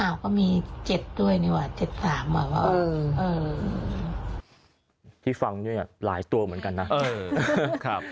อ้าวก็มี๗ด้วยนี่ว่ะ๗๓ว่ะเออที่ฟังเนี่ยหลายตัวเหมือนกันนะเออครับ